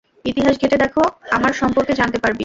ইতিহাস ঘেটে দেখ, আমার সম্পর্কে জানতে পারবি।